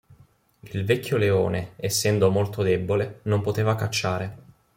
Il vecchio leone, essendo molto debole, non poteva cacciare.